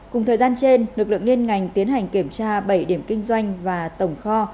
cùng thời gian trên lực lượng liên ngành tiến hành kiểm tra bảy điểm kinh doanh và tổng kho